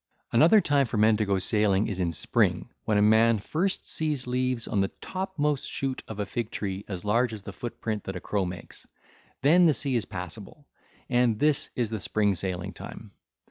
(ll. 678 694) Another time for men to go sailing is in spring when a man first sees leaves on the topmost shoot of a fig tree as large as the foot print that a cow makes; then the sea is passable, and this is the spring sailing time.